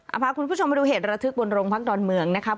เอาพาคุณผู้ชมมาดูเหตุระทึกบนโรงพักดอนเมืองนะครับ